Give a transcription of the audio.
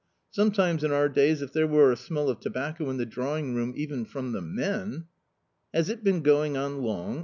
Sometimes in our days if there were a smell of tobacco in the drawing room even from the men "" Has it been going on long